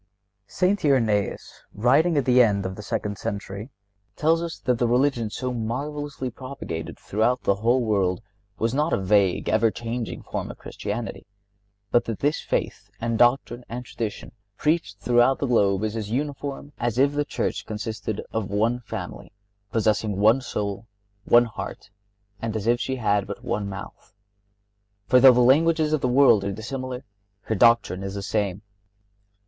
St. Irenaeus, writing at the end of the second century, tells us that the religion so marvelously propagated throughout the whole world was not a vague, ever changing form of Christianity, but that "this faith and doctrine and tradition preached throughout the globe is as uniform as if the Church consisted of one family, possessing one soul, one heart, and as if she had but one mouth. For, though the languages of the world are dissimilar, her doctrine is the same.